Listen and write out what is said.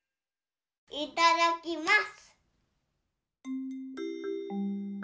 いただきます。